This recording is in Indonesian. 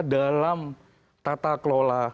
dalam tata kelola